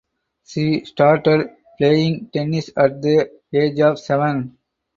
She started playing tennis at the age of seven.